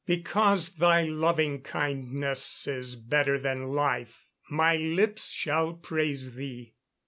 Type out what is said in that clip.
[Verse: "Because thy loving kindness is better than life, my lips shall praise thee."